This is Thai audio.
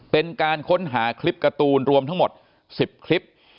เป็นการค้นหาคลิปการ์ตูนรวมทั้งหมด๑๐คลิป